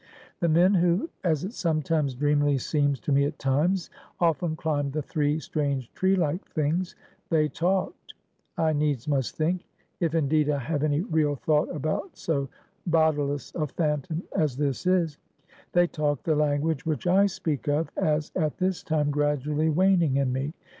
The men who as it sometimes dreamily seems to me at times often climbed the three strange tree like things, they talked I needs must think if indeed I have any real thought about so bodiless a phantom as this is they talked the language which I speak of as at this time gradually waning in me.